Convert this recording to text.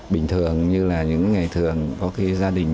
bình thường như là những ngày thường có khi gia đình